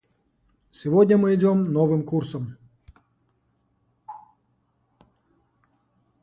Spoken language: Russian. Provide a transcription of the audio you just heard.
Сегодня мы идем новым курсом.